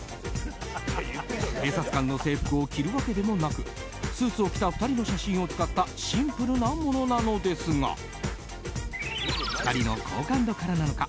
警察官の制服を着るわけでもなくスーツを着た２人の写真を使ったシンプルなものなのですが２人の好感度からなのか